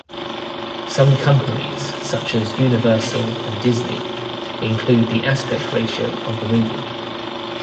Some companies, such as Universal and Disney, include the aspect ratio of the movie.